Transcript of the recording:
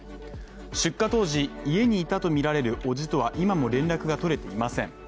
出火当時、家にいたとみられる伯父とは今も連絡が取れていません。